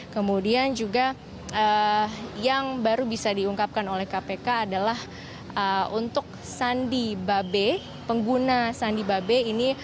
kemudian juga yang baru bisa diungkapkan oleh kpk adalah untuk sandi babe